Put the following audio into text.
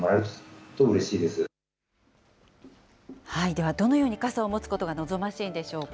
ではどのように傘を持つことが望ましいんでしょうか。